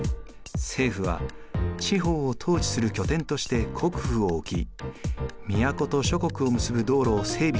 政府は地方を統治する拠点として国府を置き都と諸国を結ぶ道路を整備しました。